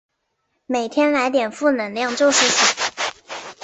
每天来点负能量就是爽